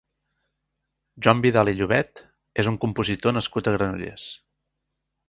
Joan Vidal i Llobet és un compositor nascut a Granollers.